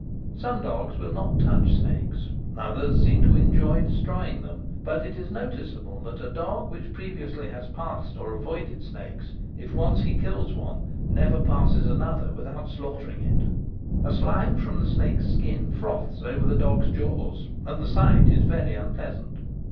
Some dogs will not touch snakes, others seem to enjoy des troying them ; but it is noticeable that a dog which previously has passed or avoided snakes, if once he kills one, never passes another without slaughtering it. A slime from the snake's skin froths over the dog's jaws, and the sight is very unpleasant.